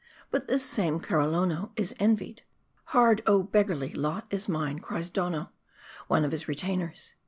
But this same Karrolono, is envied. * Hard, oh beggarly lot is mine,' cries Donno, one of his retainers.